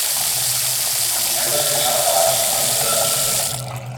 Em sembla genial que l'hagis coneguda a Tinder!